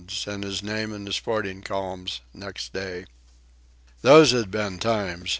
and his name in the sporting columns next day. Those had been times!